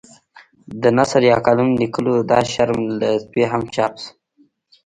د نثر یا کالم لیکلو دا شرم له سپي هم چاپ شو.